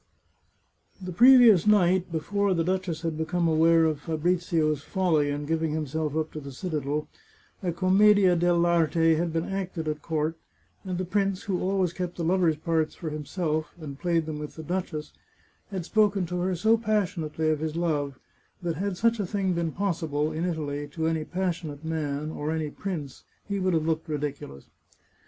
The previous night, before the duchess had become aware of Fabrizio's folly in giving himself up to the citadel, a commedia deU'arte had been acted at court, and the prince, who always kept the lovers' parts for himself, and played them with the duchess, had spoken to her so passionately of his love that had such a thing been possible, in Italy, to any passionate man, or any prince, he would have looked ridicu lous.